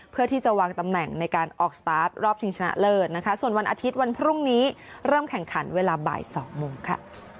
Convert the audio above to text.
เพื่อที่จะวางตำแหน่งในการออกสตาร์ทรอบชิงชนะเลิศนะคะส่วนวันอาทิตย์วันพรุ่งนี้เริ่มแข่งขันเวลาบ่าย๒โมงค่ะ